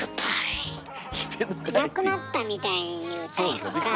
亡くなったみたいに言うたやんか。